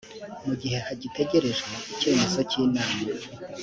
mu gihe hagitegerejwe icyemezo cy inama